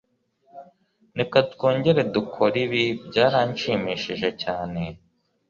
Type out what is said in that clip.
Reka twongere dukore ibi. Byarashimishije cyane.